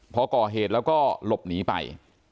พอก่อเหตุแล้วก็หลบหนีไป